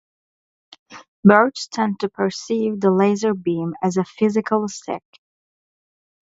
Birds tend to perceive the laser beam as a physical stick.